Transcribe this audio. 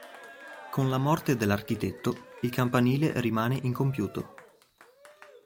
Con la morte dell'architetto il campanile rimane incompiuto.